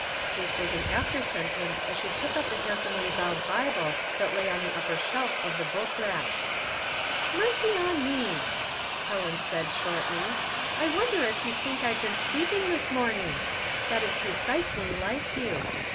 This was an after sentence as she took up the hand somely bound Bible that lay on the upper shelf of the book rack. '' Mercy on me !" Helen said, shortly. " I wonder if you think I've been sweeping thi^' morning. That is precisely like you.